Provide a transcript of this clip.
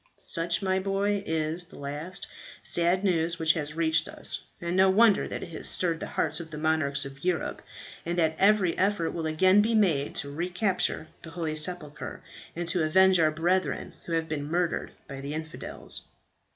"Such, my boy, is the last sad news which has reached us; and no wonder that it has stirred the hearts of the monarchs of Europe, and that every effort will be again made to recapture the holy sepulchre, and to avenge our brethren who have been murdered by the infidels."